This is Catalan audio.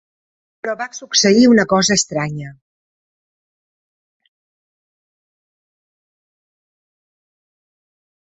Però va succeir una cosa estranya.